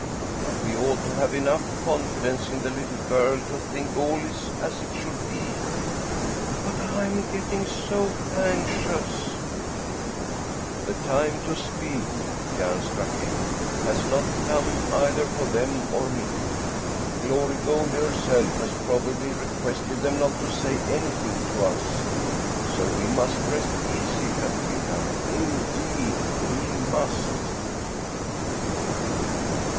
"But we ought to have enough confidence in the little girl to think all is as it should be." "But I'm getting so anxious " "The time to speak," Jan struck in, "has not come, either for them or me. Glory Goldie herself has probably requested them not to say anything to us. So we must rest easy, Katrina, indeed we must."